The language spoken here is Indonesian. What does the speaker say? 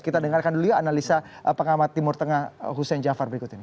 kita dengarkan dulu analisa pengamat timur tengah hussein jafar berikut ini